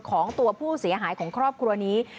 ของตัวผู้เสียหายของครอบครัวนี้